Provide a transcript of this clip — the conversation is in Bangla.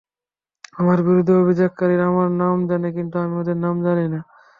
আমার বিরুদ্ধে অভিযোগকারীরা আমার নাম জানে, কিন্তু আমি ওদের নাম জানি না।